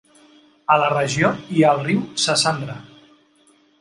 A la regió hi ha el riu Sassandra.